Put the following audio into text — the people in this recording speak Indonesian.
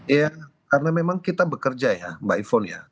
ya karena memang kita bekerja ya mbak ifon ya